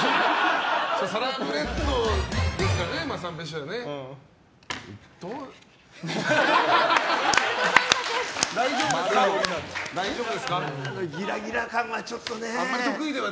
サラブレッドですからね三平師匠は。